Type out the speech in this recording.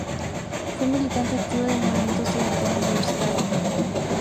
Fue militante activo del movimiento estudiantil universitario.